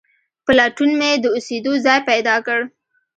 په لټون مې د اوسېدو ځای پیدا کړ.